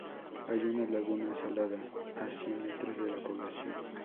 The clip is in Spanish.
Hay una laguna salada a cien metros de la población.